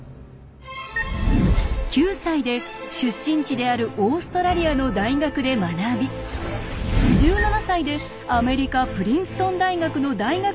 ９歳で出身地であるオーストラリアの大学で学び１７歳でアメリカプリンストン大学の大学院に入学。